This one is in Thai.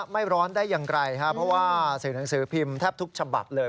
ไม่ร้อนได้อย่างไรครับเพราะว่าสื่อหนังสือพิมพ์แทบทุกฉบับเลย